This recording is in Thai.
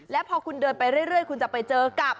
แล้วพอคุณเดินไปเรื่อยคุณจะไปเจอกับ